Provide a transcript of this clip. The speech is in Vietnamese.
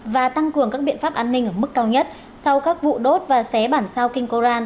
và tăng cường các biện pháp an ninh ở mức cao nhất sau các vụ đốt và xé bản sao kinh koran